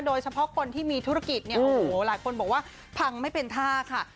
โดยเฉพาะคนที่มีธุรกิจเนี่ยโอ้โหหลายคนบอกว่าพังไม่เป็นท่าค่ะ